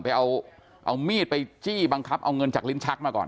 ไปเอามีดไปจี้บังคับเอาเงินจากลิ้นชักมาก่อน